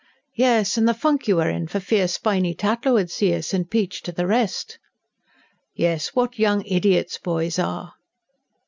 "Yes, and the funk you were in for fear Spiny Tatlow 'ud see us, and peach to the rest!" "Yes. What young idiots boys are!"